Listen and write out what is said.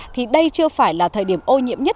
thì đây chưa phải là thời điểm ô nhiễm nhất